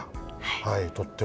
はいとっても。